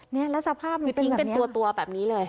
แล้วสภาพมันเป็นแบบนี้ทิ้งเป็นตัวแบบนี้เลย